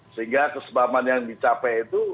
sehingga kesepahaman yang dicapai itu